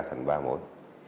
thành ba mối